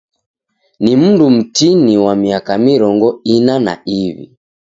Ni mndu mtini wa miaka mirongo ina na iw'i.